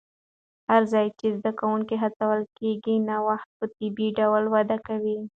هر ځای چې زده کوونکي هڅول کېږي، نوښت په طبیعي ډول وده کوي.